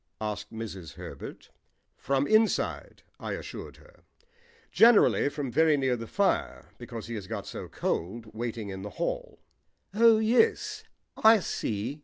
asked Mrs. Herbert. "From inside," I assured her. "Generally from very near the fire, because he has got so cold waiting in the hall." "Oh, yes, I see."